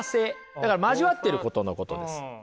だから交わってることのことです。